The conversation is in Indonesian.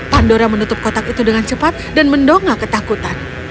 pandora menutup kotak itu dengan cepat dan mendonga ketakutan